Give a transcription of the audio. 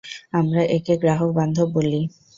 আমরা একে গ্রাহক বান্ধব বলি।